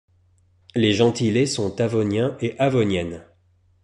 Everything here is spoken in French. Les gentilés sont Avosnien et Avosnienne.